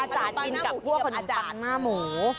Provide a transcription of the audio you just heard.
อาจารย์อินกับกลัวขนมปังหน้าหมู